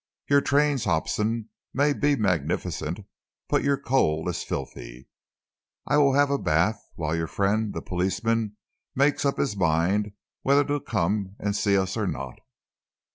Your trains, Hobson, may be magnificent, but your coal is filthy. I will have a bath while your friend, the policeman, makes up his mind whether to come and see us or not."